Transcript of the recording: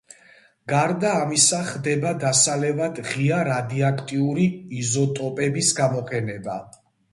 გარდა ამისა ხდება დასალევად ღია რადიოაქტიური იზოტოპების გამოყენება.